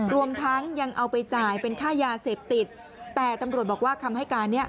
รวมทั้งยังเอาไปจ่ายเป็นค่ายาเสพติดแต่ตำรวจบอกว่าคำให้การเนี้ย